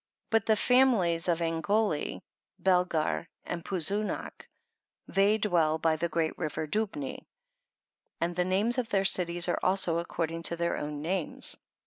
12. But tlie families of Angoli, Balgar and Parzunac, they dwell by the great river Dubnee ; and the names of their cities arc also ac cording to their own names.